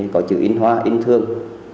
có chữ in hoa in thương